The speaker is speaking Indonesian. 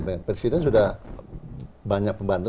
presiden sudah banyak pembantu